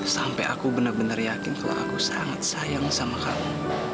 sampai aku benar benar yakin kalau aku sangat sayang sama kamu